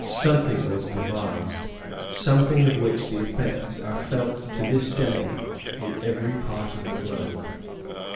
Something was devised, something of which the effects are felt to this day in every part of the globe.